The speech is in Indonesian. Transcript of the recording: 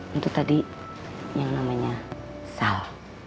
itu tadi yang namanya sal